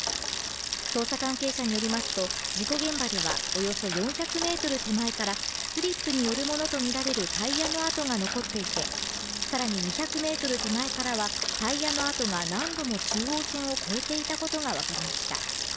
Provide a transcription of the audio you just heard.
捜査関係者によりますと事故現場ではおよそ４００ｍ手前からスリップによるものと見られるタイヤの跡が残っていてさらに２００ｍ手前からはタイヤの跡が何度も中央線を越えていたことが分かりました